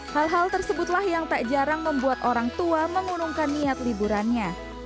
hal hal tersebutlah yang tak jarang membuat orang tua mengunungkan niat liburannya